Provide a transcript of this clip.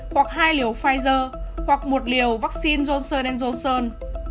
hoặc hai liều pfizer hoặc một liều vắc xin johnson johnson